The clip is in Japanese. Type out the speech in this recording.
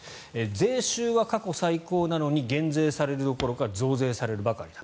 税収は過去最高なのに減税されるどころか増税されるばかりだ。